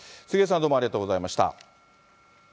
杉上さん、どうもありがとうございました。